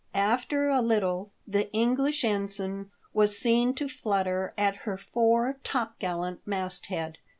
After a little the Engflish ension was seen to flutter at her fore topgallant masthead.